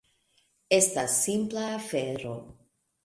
Estas simpla afero.